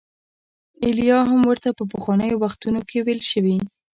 ایلیا هم ورته په پخوانیو وختونو کې ویل شوي.